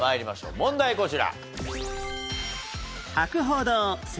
問題こちら。